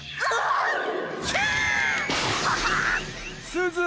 すず！